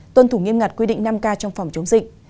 tuân thủ nghiêm ngặt quy định năm k trong phòng chống dịch